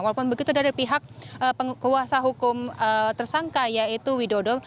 walaupun begitu dari pihak penguasa hukum tersangka yaitu widodo